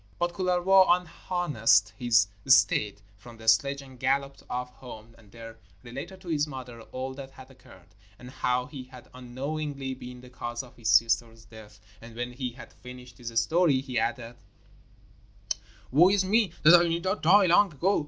But Kullervo unharnessed his steed from the sledge and galloped off home and there related to his mother all that had occurred, and how he had unknowingly been the cause of his sister's death, and when he had finished his story, he added: 'Woe is me that I did not die long ago.